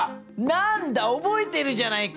何だ覚えてるじゃないか！